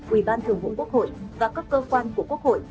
ủy ban thường vụ quốc hội và các cơ quan của quốc hội